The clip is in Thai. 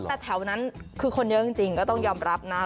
แต่แถวนั้นคือคนเยอะจริงก็ต้องยอมรับนะ